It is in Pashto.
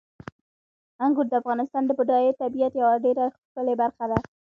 انګور د افغانستان د بډایه طبیعت یوه ډېره ښکلې برخه ده.